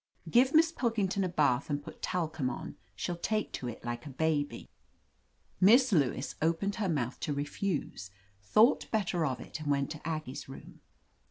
Give Miss Pilkington a bath and put talcum on ; she'll take to it like a baby." Miss Lewis opened her mouth to refuse, 159 THE AMAZING ADVENTURES thought better of it, and went to Aggie's room.